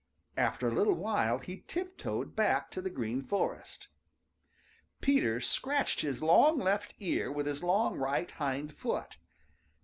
After a little while he tiptoed back to the Green Forest. Peter scratched his long left ear with his long right hind foot.